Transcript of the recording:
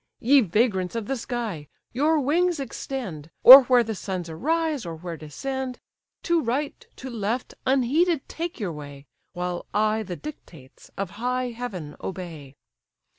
Ye vagrants of the sky! your wings extend, Or where the suns arise, or where descend; To right, to left, unheeded take your way, While I the dictates of high heaven obey.